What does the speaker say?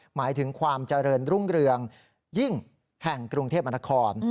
หมายถึงความเจริญรุ่งเรืองยิ่งแห่งกรุงเทพมนคร